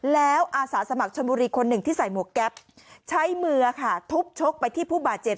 แล้วอาสาสมัครชนบุรีคนหนึ่งที่ใส่หมวกแก๊ปใช้มือค่ะทุบชกไปที่ผู้บาดเจ็บ